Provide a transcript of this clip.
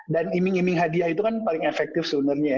dan iming iming hadiah itu kan paling efektif sebenarnya